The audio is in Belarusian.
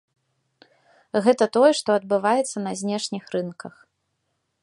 Гэта тое, што адбываецца на знешніх рынках.